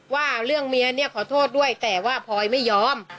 ว่าเรื่องเมียเนี่ยขอโทษด้วยแต่ว่าพลอยไม่ยอม